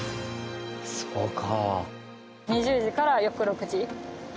そうか。